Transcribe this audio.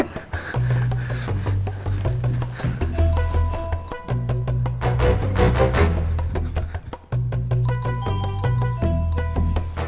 kan ada motor